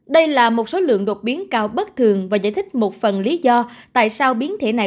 đây là một số lượng đột biến cao bất thường và giải thích một phần lý do tại sao biến thể này